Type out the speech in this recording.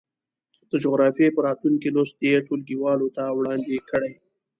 د جغرافيې په راتلونکي لوست یې ټولګیوالو ته وړاندې کړئ.